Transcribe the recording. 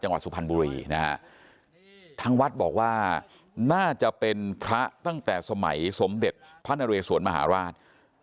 จังหวัดสุพรรณบุรีทั้งวัดบอกว่าน่าจะเป็นพระตั้งแต่สมเด็จพระนเรสวนมหาลาศ